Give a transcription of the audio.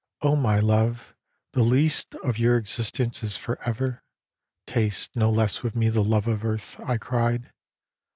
" O my love, the lease Of your existence is for ever : taste No less with me the love of earth," I cried.